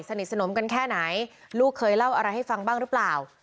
สนิทสนมกันแค่ไหนลูกเคยเล่าอะไรให้ฟังบ้างหรือเปล่า